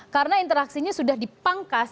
karena interaksinya sudah dipangkas